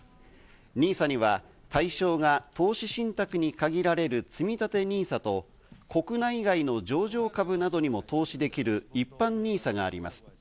ＮＩＳＡには対象が投資信託に限られるつみたてＮＩＳＡと国内外の上場株などにも投資できる、一般ＮＩＳＡがあります。